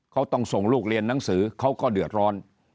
เขาต้องส่งลูกเรียนหนังสือเขาก็เดือดร้อน